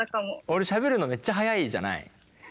俺しゃべるのめっちゃ速いじゃない？